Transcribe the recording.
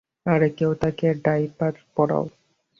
আরে কেউ তাকে ডায়পার পরাও।